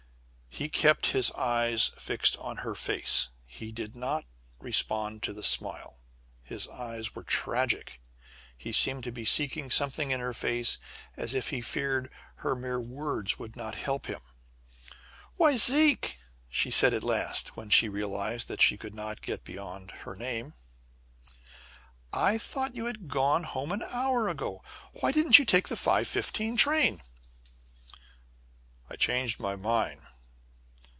He kept his eyes fixed on her face. He did not respond to the smile. His eyes were tragic. He seemed to be seeking something in her face as if he feared her mere words would not help him. "Why, Zeke," she said at last, when she realized that he could not get beyond her name, "I thought you had gone home an hour ago! Why didn't you take the 5.15 train?" "I changed my mind!